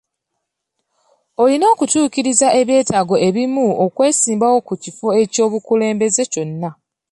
Olina okutuukiriza ebyetaago ebimu okwesimbawo ku kifo ky'obukulembeze kyonna.